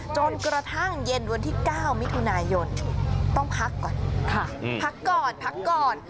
จนกระทั่งเย็นวันที่๙มิถุนายนต้องพักก่อนค่ะพักก่อนพักก่อน